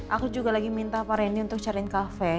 aku juga lagi minta pak randy untuk cariin cafe